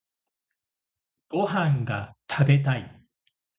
ご飯が食べたい